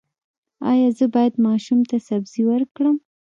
ایا زه باید ماشوم ته سبزي ورکړم؟